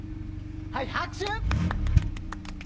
はい拍手！